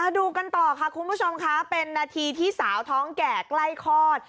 ดูกันต่อค่ะคุณผู้ชมค่ะเป็นนาทีที่สาวท้องแก่ใกล้คลอด